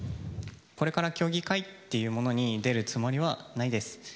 これから競技会っていうものに出るつもりはないです。